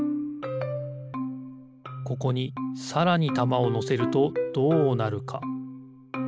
ここにさらにたまをのせるとどうなるか？